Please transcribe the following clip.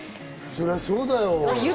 そりゃそうだよ。